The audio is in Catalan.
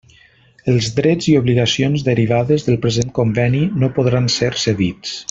Els drets i obligacions derivades del present Conveni no podran ser cedits.